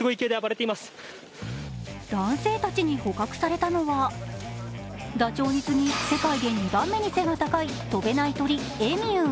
男性たちに捕獲されたのは、ダチョウに次ぎ、世界で２番目に背の高い飛べない鳥、エミュー。